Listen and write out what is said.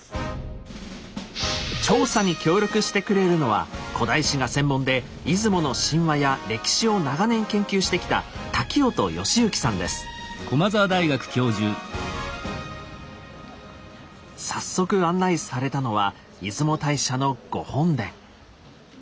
調査に協力してくれるのは古代史が専門で出雲の神話や歴史を長年研究してきた早速案内されたのは出雲大社の御本殿。